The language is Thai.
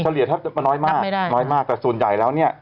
เฉลี่ยน้อยมากแต่ส่วนใหญ่แล้วนี่